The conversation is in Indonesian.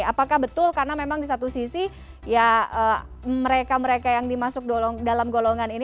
apakah betul karena memang di satu sisi ya mereka mereka yang dimasuk dalam golongan ini